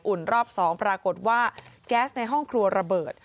รอบ๒ปรากฏว่าแก๊สในห้องครัวระเบิด